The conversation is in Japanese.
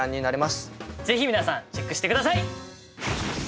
ぜひ皆さんチェックして下さい！